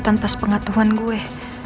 tanpa sepengatuhan gue